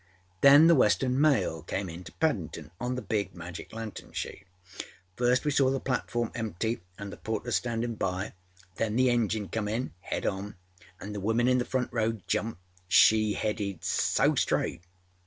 â âThen the Western Mail came in to Paddinâton on the big magic lantern sheet. First we saw the platform empty anâ the porters standinâ by. Then the engine come in, head on, anâ the women in the front row jumped: she headed so straight.